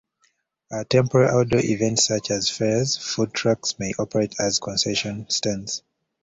At temporary outdoor events such as fairs, food trucks may operate as concession stands.